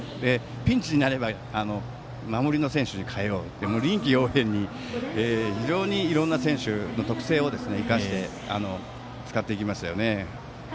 ピンチになれば守りの選手に代えようって臨機応変に非常にいろんな選手の特性を生かして使っていきましたよね。